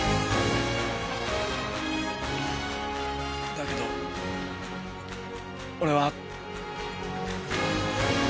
だけど俺は。